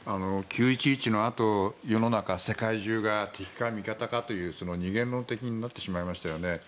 ９・１１のあと世の中、世界中が敵か味方かという二元論になってしまいましたよね。